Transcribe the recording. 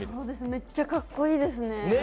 めっちゃ、かっこいいですね